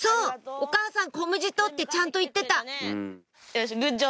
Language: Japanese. お母さんこむじとってちゃんと言ってた」